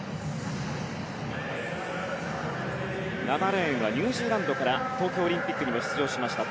７レーンはニュージーランドから東京オリンピックにも出場しました。